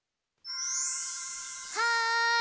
はい！